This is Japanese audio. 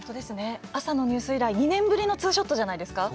朝のニュース以来２年ぶりのツーショットじゃないですか。